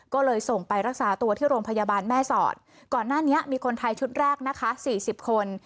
ก็เลยส่งไปรักษาตัวที่โรงพยาบาลแม่สอดก่อนหน้านี้มีคนไทยชุดแรกนะคะ๔๐คน